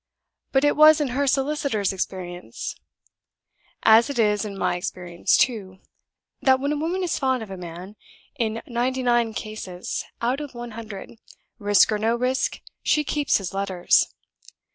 But it was in her solicitor's experience (as it is in my experience too) that, when a woman is fond of a man, in ninety nine cases out of a hundred, risk or no risk, she keeps his letters.